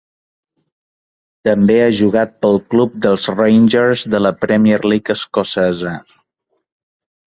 També ha jugat pel club dels Rangers de la Premier League escocesa.